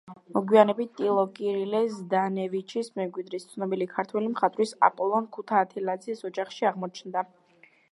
მოგვიანებით ტილო კირილე ზდანევიჩის მემკვიდრის, ცნობილი ქართველი მხატვრის აპოლონ ქუთათელაძის ოჯახში აღმოჩნდა.